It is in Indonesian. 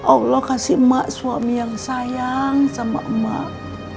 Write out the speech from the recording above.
allah kasih emak suami yang sayang sama emak